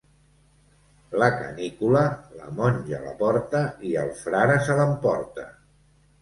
La canícula, la monja la porta i el frare se l'emporta.